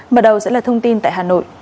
mở đầu sẽ là thông tin tại hà nội